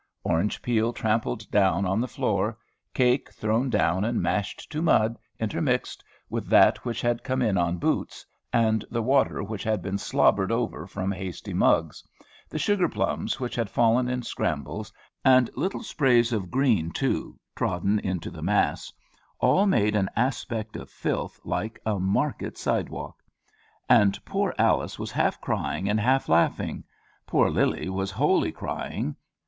Orange peel trampled down on the floor; cake thrown down and mashed to mud, intermixed with that which had come in on boots, and the water which had been slobbered over from hasty mugs; the sugar plums which had fallen in scrambles, and little sprays of green too, trodden into the mass, all made an aspect of filth like a market side walk. And poor Alice was half crying and half laughing; poor Lillie was wholly crying.